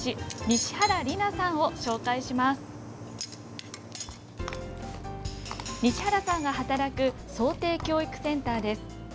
西原さんが働く装蹄教育センターです。